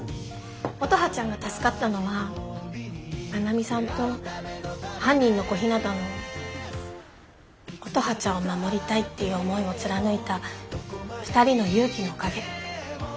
乙葉ちゃんが助かったのは真奈美さんと犯人の小日向の乙葉ちゃんを守りたいっていう思いを貫いた２人の勇気のおかげ。